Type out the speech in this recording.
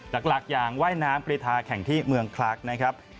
หลักอย่างว่ายน้ำกรีธาแข่งที่เมืองคลักนะครับ